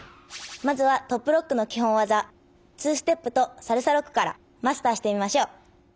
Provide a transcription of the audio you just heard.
まずはトップロックのきほんわざ２ステップとサルサロックからマスターしてみましょう！